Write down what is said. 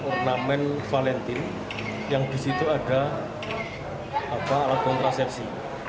ornamen valentine yang disitu ada alat kontrasepsi